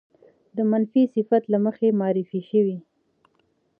د منفي صفت له مخې معرفې شوې